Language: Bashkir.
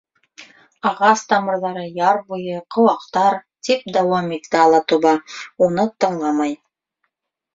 —Ағас тамырҙары, яр буйы, ҡыуаҡтар, —тип дауам итте Алатуба, уны тыңламай.